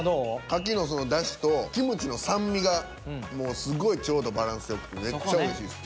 カキのだしとキムチの酸味がすごいちょうどバランスよくてめっちゃおいしいです。